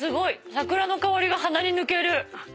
桜の香りが鼻に抜ける。